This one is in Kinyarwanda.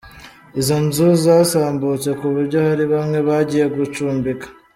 Izo nzu zasambutse kuburyo hari bamwe bagiye gucumbika.